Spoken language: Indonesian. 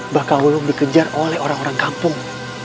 bahkan wulung dikejar oleh orang orang kampung